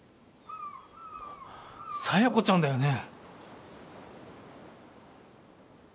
佐弥子ちゃんだよね？